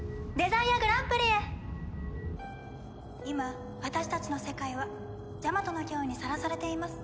「今私たちの世界はジャマトの脅威にさらされています」